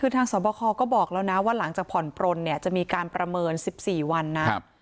คือทางสวบคก็บอกแล้วนะว่าหลังจากผ่อนปลนเนี่ยจะมีการประเมิน๑๔วันนะ